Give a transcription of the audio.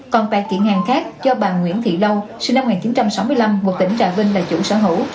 còn tại hàng khác do bà nguyễn thị lâu sinh năm một nghìn chín trăm sáu mươi năm ngụ tỉnh trà vinh là chủ sở hữu